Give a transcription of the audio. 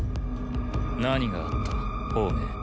何があった鳳明。